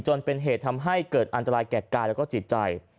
จนเป็นเหตุทำให้เกิดอันตรายแก่กายแล้วก็จิตใจ